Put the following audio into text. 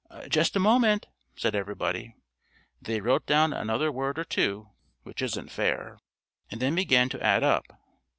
"Just a moment," said everybody. They wrote down another word or two (which isn't fair), and then began to add up.